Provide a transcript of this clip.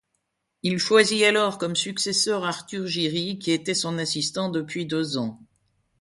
Il choisit alors comme successeur Arthur Giry, qui était son assistant depuis deux ans.